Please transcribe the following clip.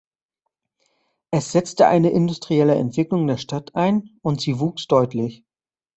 Es setzte eine industrielle Entwicklung der Stadt ein, und sie wuchs deutlich.